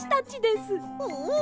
おお！